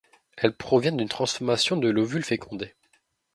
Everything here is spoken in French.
Elle provient d'une transformation de l'ovule fécondé.